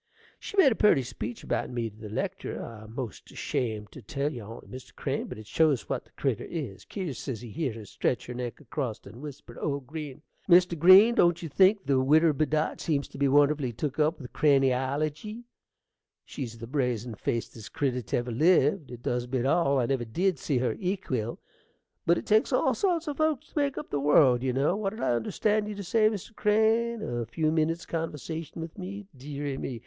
She made a purty speech about me to the lectur': I'm 'most ashamed to tell you on't, Mr. Crane, but it shows what the critter is. Kier says he heered her stretch her neck acrost and whisper to old Green, "Mr. Green, don't you think the widder Bedott seems to be wonderfully took up with crainiology?" She's the brazin' facedest critter 't ever lived; it does beat all; I never did see her equill. But it takes all sorts o' folks to make up the world, you know. What did I understand you to say, Mr. Crane? a few minnits' conversation with me? Deary me!